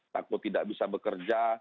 takut tidak bisa bekerja